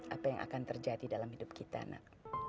apa yang akan terjadi dalam hidup kita nak